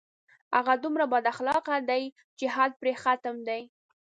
هغه دومره بد اخلاقه دی چې حد پرې ختم دی